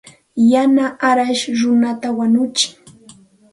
Yana arash runata wañutsin.